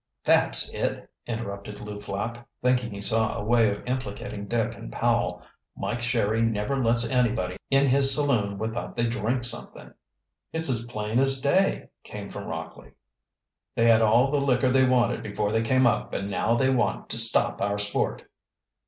"That's it!" interrupted Lew Flapp, thinking he saw a way of implicating Dick and Powell. "Mike Sherry never lets anybody in his saloon without they drink something." "It's as plain as day," came from Rockley. "They had all the liquor they wanted before they came up, and now they want to stop our sport."